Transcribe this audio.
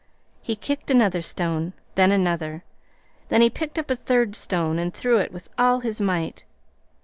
He kicked another stone, then another; then he picked up a third stone and threw it with all his might.